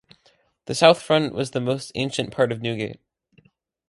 The south front was the most ancient part of Newgate.